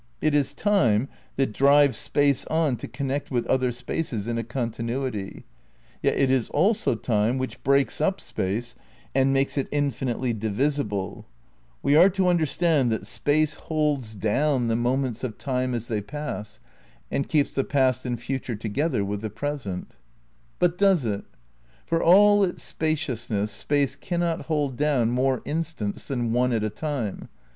It is Time that drives Space on to connect with other spaces in a continuity, yet it is also Time which breaks up Space and makes it infi nitely divisible. We are to understand that Space ^ Space, Time and Deity, Vol. I, p. 46. "The same, p. 47. 168 THE NEW IDEALISM v "holds down" the moments of Time as they pass, and keeps the past and future together with the present.^ But does it? For all its spaciousness Space cannot hold down more instants than one at a time.